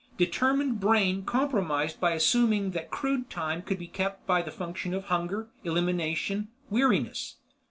Determined Brain compromised by assuming that crude time could be kept by the function of hunger, elimination, weariness.